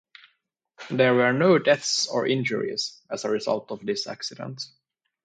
There were no deaths or injuries as a result of this accident.